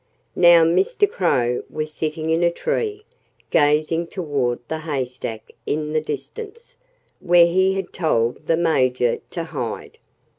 Now, Mr. Crow was sitting in a tree, gazing toward the haystack in the distance, where he had told the Major to hide.